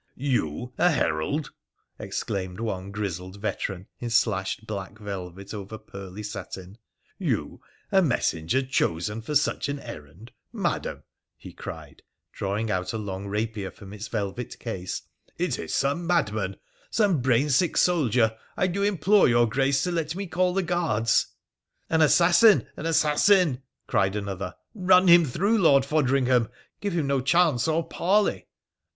' You a herald 1 ' exclaimed one grizzled veteran in slashed black velvet over pearly satin. • You a messenger chosen for such an errand! Madam,' he cried, drawing out a long rapier from its velvet case, ' it is gome madman, some brain. 852 WONDERFUL ADVENTURES OF sick soldier. I do implore your Grace to let me call tha guards.' ' An assassin ! an assassin !' cried another. ' Eun him through, Lord Fodringham ! Give him no chance or parley